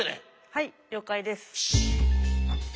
はい了解です。